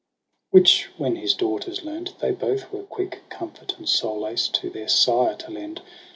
a Which when his daughters learnt, they both were quick Comfort and solace to their sire to lend.